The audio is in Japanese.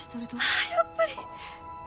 ああやっぱり！